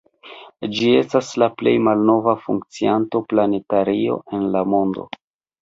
Ĝi estas la plej malnova funkcianta planetario en la mondo.